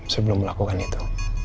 sebelum melakukan itu